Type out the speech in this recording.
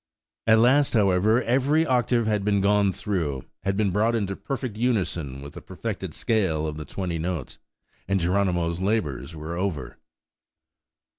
At last, however, every octave had been gone through, had been brought into perfect unison with the perfected scale of the twenty notes, and Geronimo's labours were over!